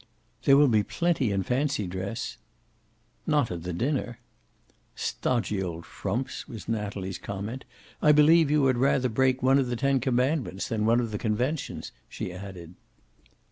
"There will be plenty in fancy dress." "Not at the dinner." "Stodgy old frumps!" was Natalie's comment. "I believe you would rather break one of the ten commandments than one of the conventions," she added.